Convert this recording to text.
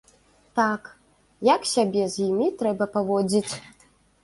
Так, як сябе з імі і трэба паводзіць.